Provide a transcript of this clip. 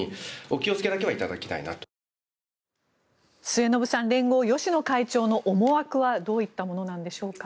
末延さん連合、芳野会長の思惑はどういったものなんでしょうか。